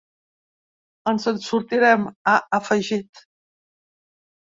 Ens en sortirem, ha afegit.